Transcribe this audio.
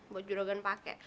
buat juragan pakai